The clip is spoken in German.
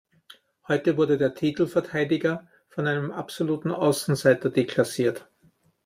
Heute wurde der Titelverteidiger von einem absoluten Außenseiter deklassiert.